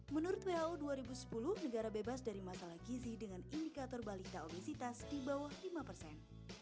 menurut who dua ribu sepuluh negara bebas dari masalah gizi dengan indikator balita obesitas di bawah lima persen